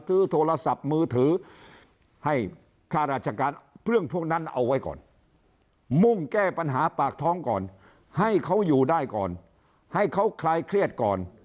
โทรศัพท์มือถือให้ค่าราชการเรื่องพวกนั้นเอาไว้ก่อนมุ่งแก้ปัญหาปากท้องก่อนให้เขาอยู่ได้ก่อนให้เขาคลายเครียดก่อน